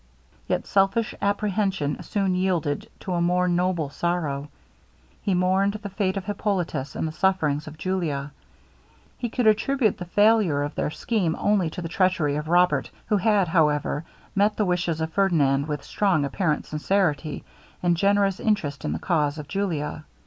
Yet selfish apprehension soon yielded to a more noble sorrow. He mourned the fate of Hippolitus, and the sufferings of Julia. He could attribute the failure of their scheme only to the treachery of Robert, who had, however, met the wishes of Ferdinand with strong apparent sincerity, and generous interest in the cause of Julia.